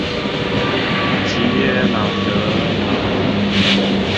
吉耶朗格朗热。